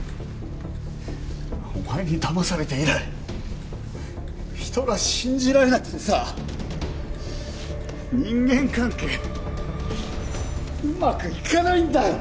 お前に騙されて以来人が信じられなくてさ人間関係うまくいかないんだよ！